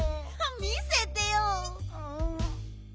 見せてよ。